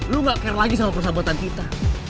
lu gak care lagi sama persahabatan kita